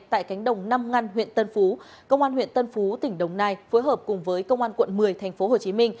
tại cánh đồng năm ngăn huyện tân phú công an huyện tân phú tỉnh đồng nai phối hợp cùng với công an quận một mươi tp hcm